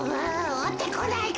おってこないか？